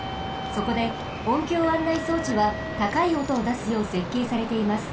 そこで音響案内装置はたかいおとをだすようせっけいされています。